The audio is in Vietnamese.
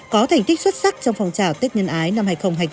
có thành tích xuất sắc trong phòng trào tết nhân ái năm hai nghìn hai mươi bốn